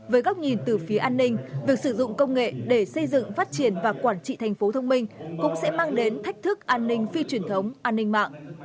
với góc nhìn từ phía an ninh việc sử dụng công nghệ để xây dựng phát triển và quản trị thành phố thông minh cũng sẽ mang đến thách thức an ninh phi truyền thống an ninh mạng